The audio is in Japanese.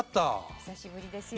お久しぶりですよね。